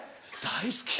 大好き。